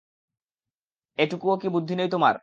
একটুও কি বুদ্ধি নেই তোমার?